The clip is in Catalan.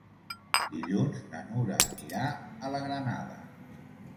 Dilluns na Nura anirà a la Granada.